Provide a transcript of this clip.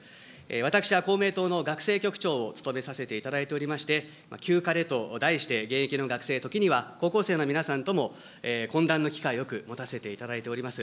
私は公明党の学生局長を務めさせていただいておりまして、きゅうかれと題して、現役の学生、時には高校生の皆さんとも懇談の機会をよく持たせていただいております。